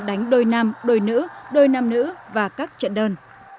đánh đôi nam đôi nữ đôi nam nữ và các trận đơn